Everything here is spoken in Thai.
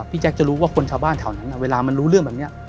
แจ๊คจะรู้ว่าคนชาวบ้านแถวนั้นเวลามันรู้เรื่องแบบนี้